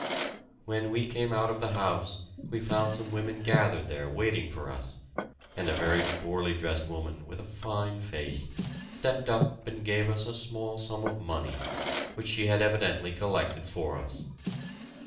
When we came out of the house we found some women gathered there waiting for us, and a very poorly dressed woman, with a fine face, stepped up and gave us a small sum of money, which she had evidently collected for us.